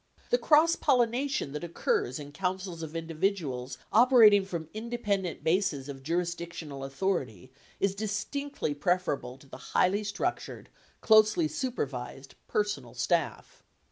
The cross pollination that occurs in councils of individuals oper ating from independent bases of jurisdictional authority is distinctly preferable to the highly structured, closely supervised personal staff.